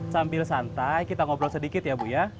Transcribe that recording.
sambil santai kita ngobrol sedikit ya bu ya